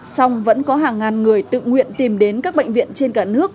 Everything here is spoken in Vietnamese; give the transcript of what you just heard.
song vẫn có hàng ngàn người tự nguyện tìm đến các bệnh viện trên cả nước